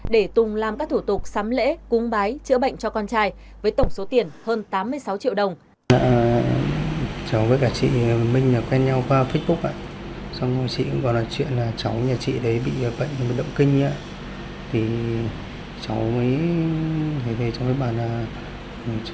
để tùng làm các thủ tục sắm lễ cúng bái chữa bệnh cho con trai với tổng số tiền hơn tám mươi sáu triệu đồng